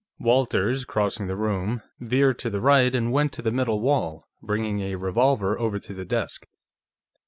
Walters, crossing the room, veered to the right and went to the middle wall, bringing a revolver over to the desk.